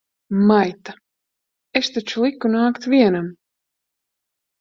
Maita! Es taču liku nākt vienam!